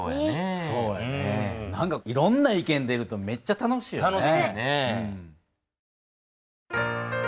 何かいろんな意見出るとめっちゃ楽しいよね。